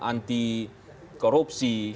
ya kan anti korupsi